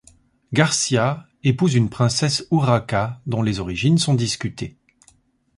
Garcia épouse une princesse Urraca dont les origines sont discutées.